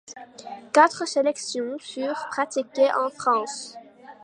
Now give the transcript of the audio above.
Quatre sélections furent pratiquées en France.